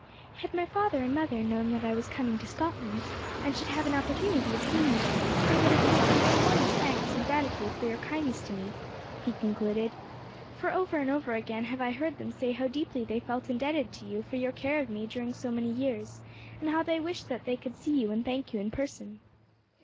"Had my father and mother known that I was coming to Scotland, and should have an opportunity of seeing you both, they would have sent you their warmest thanks and gratitude for your kindness to me," he concluded. "For over and over again have I heard them say how deeply they felt indebted to you for your care of me during so many years, and how they wished that they could see you and thank you in person."